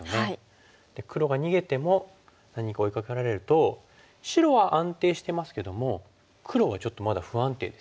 黒が逃げても何か追いかけられると白は安定してますけども黒はちょっとまだ不安定ですよね。